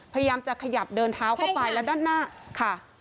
พยายามจะขยับเดินเท้าเข้าไปแล้วด้านหน้าค่ะ